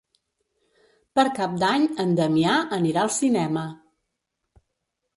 Per Cap d'Any en Damià anirà al cinema.